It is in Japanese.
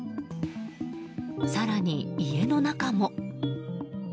更に、家の中も。